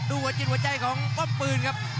หัวจิตหัวใจของป้อมปืนครับ